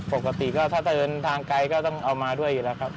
ปกติก็ถ้าจะเดินทางไกลก็ต้องเอามาด้วยอยู่แล้วครับ